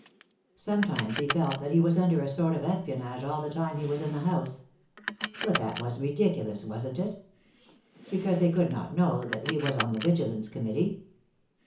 Sometimes he had felt that he was under a sort of espionage all the time he was in the house. But that was ridiculous, wasn't it? Because they could not know that he was on the Vigilance Committee.